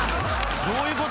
・「どういうこと？」